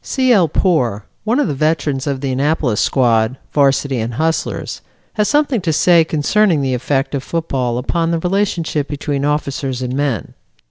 C. L. Poor, one of the veterans of the Annapolis squad, Varsity and Hustlers, has something to say concerning the effect of football upon the relationship between officers and men.